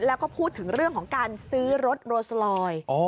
แล้วก็พูดถึงเรื่องของการซื้อรถโรสลอย